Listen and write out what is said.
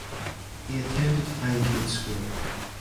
He attended Highgate School.